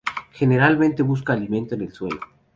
Generalmente busca alimento en el suelo.